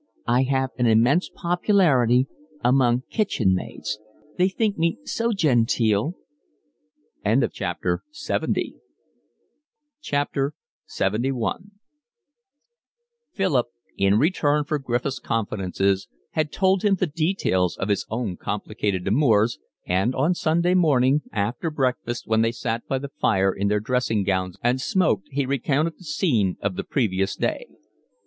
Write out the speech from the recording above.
"I have an immense popularity among kitchen maids. They think me so genteel." LXXI Philip, in return for Griffiths' confidences, had told him the details of his own complicated amours, and on Sunday morning, after breakfast when they sat by the fire in their dressing gowns and smoked, he recounted the scene of the previous day.